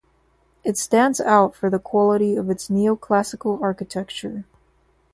It stands out for the quality of its neoclassical architecture.